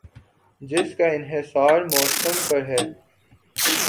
جس کا انحصار موسم پر ہے ۔